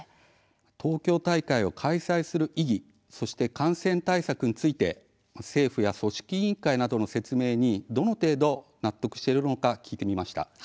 東京大会を開催する意義そして感染対策について政府や組織委員会などの説明にどの程度納得しているのか聞いてみました。